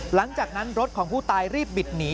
หลังจากนั้นรถของผู้ตายรีบบิดหนี